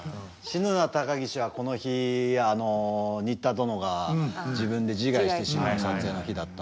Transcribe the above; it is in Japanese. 「死ぬな高岸」はこの日仁田殿が自分で自害してしまう撮影の日だったんですけど。